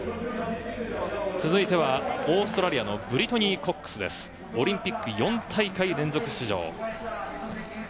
続いてはオーストラリアのブリトニー・コックスオリンピック４大会連続出場。